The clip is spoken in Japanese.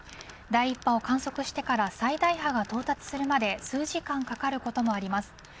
第１波を観測してから最大波が到達するまで数時間かかることもあります。